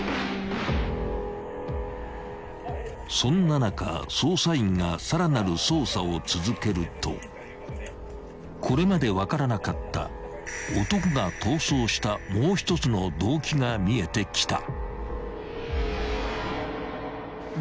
［そんな中捜査員がさらなる捜査を続けるとこれまで分からなかった男が逃走したもう一つの動機が見えてきた］